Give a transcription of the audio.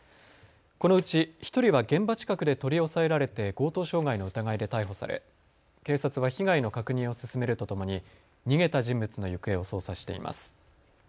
このうち１人は現場近くで取り押さえられて強盗傷害の疑いで逮捕され警察は被害の確認を進めるとともに逃げた人物の行方を捜査しています。